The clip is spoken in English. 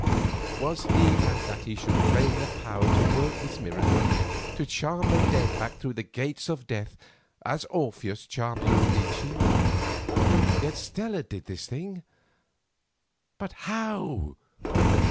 Was he mad that he should claim the power to work this miracle—to charm the dead back through the Gates of Death as Orpheus charmed Eurydice? Yet Stella did this thing—but how?